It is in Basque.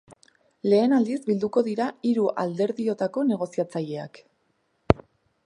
Lehen aldiz bilduko dira hiru alderdiotako negoziatzaileak.